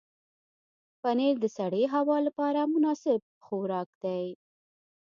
پنېر د سړې هوا لپاره مناسب خوراک دی.